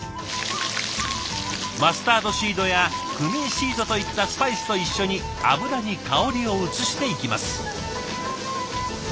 マスタードシードやクミンシードといったスパイスと一緒に油に香りを移していきます。